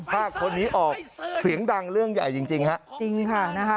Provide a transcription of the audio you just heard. ฝากคนนี้ออกเสียงดังเรื่องใหญ่จริงฮะ